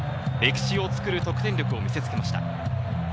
歴史を作る得点力を見せつけました。